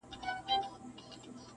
نو پر سر او ملا یې ورکړل ګوزارونه -